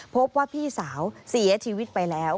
พบว่าพี่สาวเสียชีวิตไปแล้ว